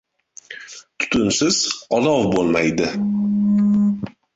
• Tutunsiz olov bo‘lmaydi.